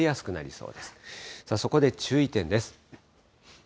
そこで注意点です。